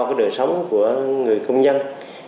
cái đời sống của người công nhân